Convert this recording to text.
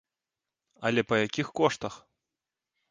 Але па якіх коштах!